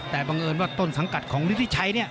แต่บังเอิญว่าต้นสังกัดของฤทธิชัย